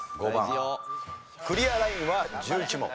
クリアラインは１１問。